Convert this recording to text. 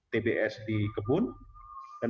tbs di kebun dan